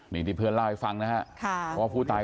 ทีนี้ผมถามคนเรื่อย